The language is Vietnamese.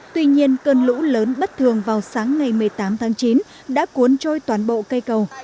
tuy nhiên cơn lũ lớn bất thường vào sáng ngày một mươi tám tháng chín đã cuốn trôi toàn bộ cây cầu